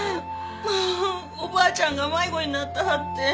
おばあちゃんが迷子になってはって。